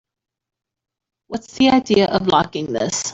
What's the idea of locking this?